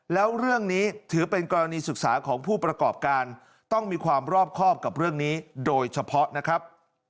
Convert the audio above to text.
แล้วเรื่องนี้ถือเป็นกรณีศึกษาของผู้ประกอบการต้องมีความรอบครอบกับเรื่องนี้โดยเฉพาะนะครับ